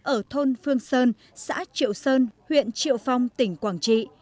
ở thôn phương sơn xã triệu sơn huyện triệu phong tỉnh quảng trị